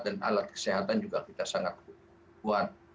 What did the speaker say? dan alat kesehatan juga kita sangat kuat